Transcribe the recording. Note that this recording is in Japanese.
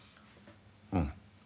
うん。